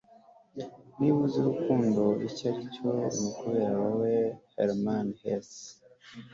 niba nzi urukundo icyo aricyo, ni ukubera wowe. - herman hesse